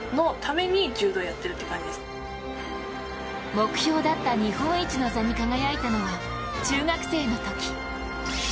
目標だった日本一の座に輝いたのは中学生のとき。